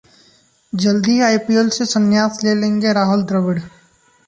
जल्द ही आईपीएल से संन्यास ले लेंगे राहुल द्रविड़!